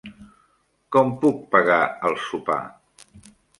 Com puc pagar el sopar?